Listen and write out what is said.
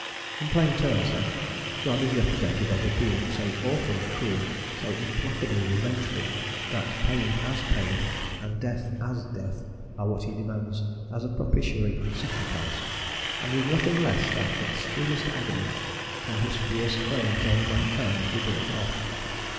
In plain terms, then, God is represented as a Being so awfully cruel, so implacably revengeful, that pain as pain, and death as death, are what he demands as a propitiatory sacrifice, and with nothing less than extremest agony can his fierce claims on mankind be bought off.